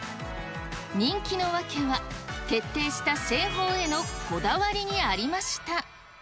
人気の訳は、徹底した製法へのこだわりにありました。